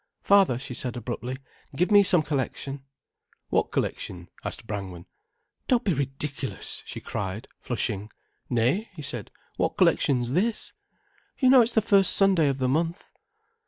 "Father," she said abruptly, "give me some collection." "What collection?" asked Brangwen. "Don't be ridiculous," she cried, flushing. "Nay," he said, "what collection's this?" "You know it's the first Sunday of the month."